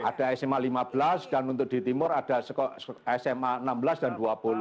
ada sma lima belas dan untuk di timur ada sma enam belas dan dua puluh